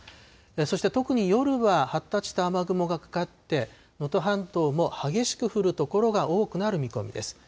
そして特に夜は発達した雨雲がかかって、能登半島も激しく降る所が多くなる見込みです。